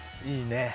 いいね。